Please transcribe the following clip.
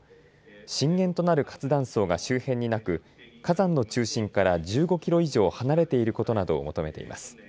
震源となる活断層が周辺になく火山の中心から１５キロ以上離れていることなどを求めています。